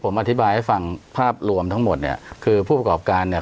ผมอธิบายให้ฟังภาพรวมทั้งหมดเนี่ยคือผู้ประกอบการเนี่ย